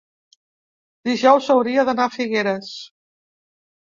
dijous hauria d'anar a Figueres.